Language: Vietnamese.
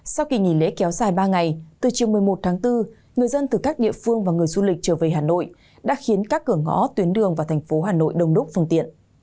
sau kỳ nghỉ lễ kéo dài ba ngày từ chiều một mươi một tháng bốn người dân từ các địa phương và người du lịch trở về hà nội đã khiến các cửa ngõ tuyến đường vào thành phố hà nội đông đúc phương tiện